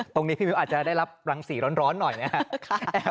พี่มิวอาจจะได้รับรังสีร้อนหน่อยนะครับ